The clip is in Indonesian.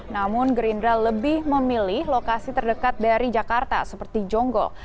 namun gerindra lebih memilih lokasi terdekat dari jakarta seperti jonggo